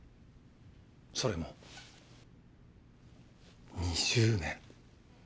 それも２０年。